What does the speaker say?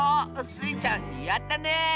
スイちゃんやったね！